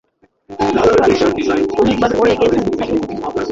অনেকবার পড়ে গেছেন সাইকেল থেকে, ব্যথা পেয়েছেন, কিন্তু হার মানেননি জগবিন্দর।